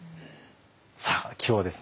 さあ今日はですね